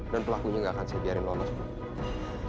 dan pelakunya gak akan saya biarin lolos dulu